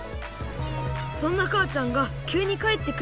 そんなかあちゃんがきゅうにかえってくることに。